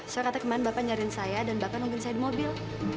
soalnya kata kemarin bapak nyariin saya dan bapak nungguin saya di mobil